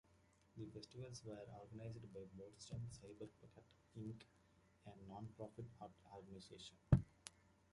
The Festivals were organized by Boston Cyberarts Inc, a non-profit arts organization.